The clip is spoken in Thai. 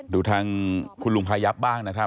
ดูทางคุณลุงพายับบ้างนะครับ